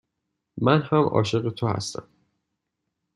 من هم عاشق تو هستم.